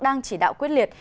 đang chỉ đạo quyết liệt